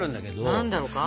何だろうか。